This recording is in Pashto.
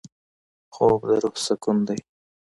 خوب د روح سکون دی